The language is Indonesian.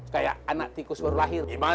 kayak anak tikus baru lahir